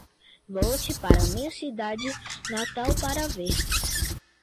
Volte para minha cidade natal para ver